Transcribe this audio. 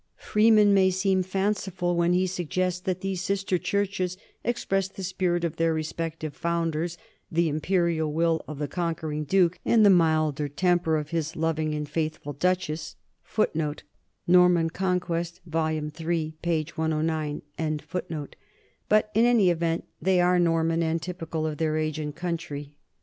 Freeman may seem fanciful when he sug gests that these sister churches express the spirit of their respective founders, "the imperial will of the con quering duke" and the milder temper of his "loving and faithful duchess," 1 but in any event they are Nor man and typical of their age and country.